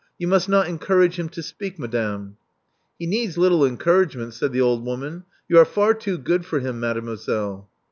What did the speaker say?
*'You must not encourage him to speak, madame." He needs little encouragement," said the old woman. You are far too good for him, made moiselle."